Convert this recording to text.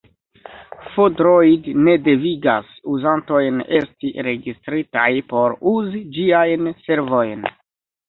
F-Droid ne devigas uzantojn esti registritaj por uzi ĝiajn servojn.